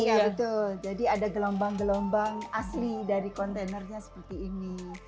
iya betul jadi ada gelombang gelombang asli dari kontainernya seperti ini